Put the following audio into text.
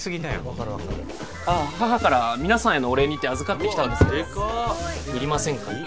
分かる分かる母から皆さんへのお礼にって預かってきたんですけどデカッいりませんかね？